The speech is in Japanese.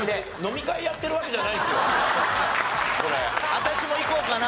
「私も行こうかな」。